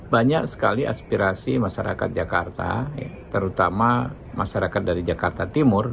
banyak sekali aspirasi masyarakat jakarta terutama masyarakat dari jakarta timur